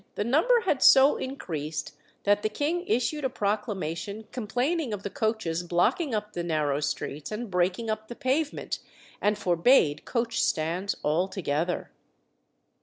the number had so increased that the king issued a proclamation complaining of the coaches blocking up the narrow streets and breaking up the pavement, and forbade coach stands altogether.